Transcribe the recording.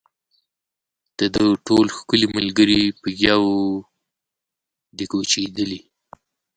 د ده ټول ښکلي ملګري یو په یو دي کوچېدلي